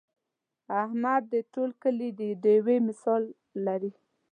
احمد د ټول کلي د ډېوې مثال لري.